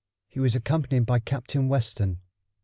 He was accompanied by Captain Weston.